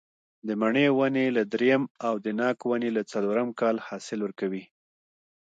د مڼې ونې له درېیم او د ناک ونې له څلورم کال حاصل ورکوي.